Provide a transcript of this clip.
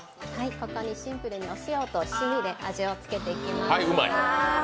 ここにシンプルに七味とお塩で味をつけていきます。